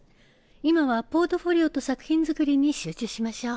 今はポートフォリオと作品作りに集中しましょう。